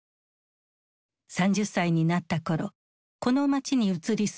３０歳になった頃この街に移り住み